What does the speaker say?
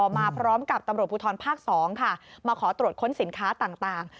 มาพร้อมกับตำรวจภูทรภาค๒ค่ะมาขอตรวจค้นสินค้าต่าง